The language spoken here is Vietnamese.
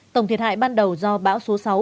tổng thiệt hại ban đầu do bão số sáu